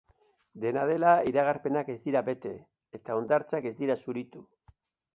Dena dela, iragarpenak ez dira bete, eta hondartzak ez dira zuritu.